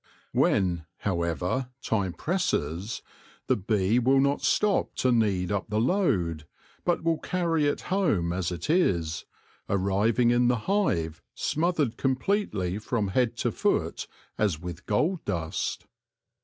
When, however, time presses, the bee will not stop to knead up the load, but will 104 THE LORE OF THE HONEY BEE carry it home as it is, arriving in the hive smothered completely from head to foot as with gold dust.